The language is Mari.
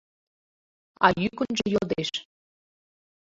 А йӱкынжӧ йодеш: